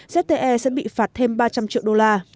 zte sẽ bị phạt thêm ba trăm linh triệu đô la